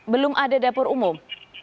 belum ada dapur umum